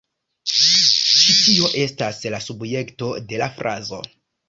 Ĉi tio estas la subjekto de la frazo.